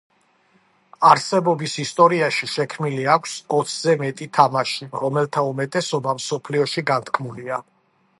არსებობის ისტორიაში შექმნილი აქვს ოცზე მეტი თამაში, რომელთა უმეტესობა მსოფლიოში განთქმულია.